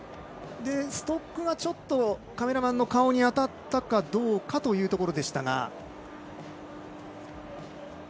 ストックがカメラマンの顔に当たったかどうかというところでしたが。